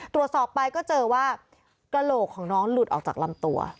ตรวจสอบไปก็เจอว่ากระโหลกของน้องหลุดออกจากลำตัว